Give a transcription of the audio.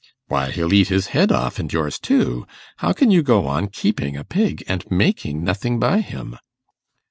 'Why, he'll eat his head off, and yours too. How can you go on keeping a pig, and making nothing by him?